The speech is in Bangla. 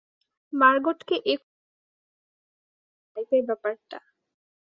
মার্গটকে এ কথা জানিও, বিশেষ করে পাইপের ব্যাপারটা।